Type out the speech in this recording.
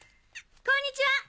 こんにちは！